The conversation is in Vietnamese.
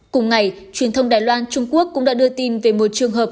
cùng ngày truyền thông đài loan trung quốc cũng đã đưa tin về một trường hợp